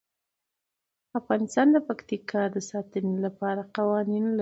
افغانستان د پکتیکا د ساتنې لپاره قوانین لري.